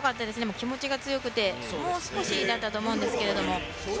気持ちが強くてもう少しだったと思いますけど。